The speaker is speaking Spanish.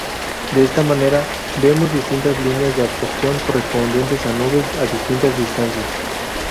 De esta manera vemos distintas líneas de absorción correspondientes a nubes a distintas distancias.